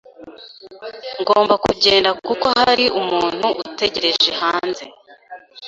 Ngomba kugenda kuko hari umuntu utegereje hanze.